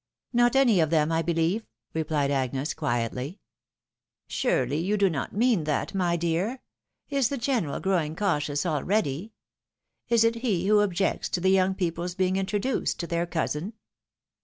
" Not any of them, I believe," replied Agnes, quietly. " Surely, you do not mean that, my dear ? Is the general growing cautious already? Is it he who objects to the young people's being introduced to their cousin